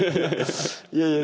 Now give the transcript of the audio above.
いやいや